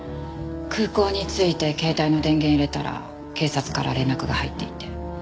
空港に着いて携帯の電源入れたら警察から連絡が入っていて。